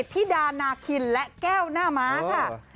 ธิดานาคินและแก้วหน้าม้าค่ะ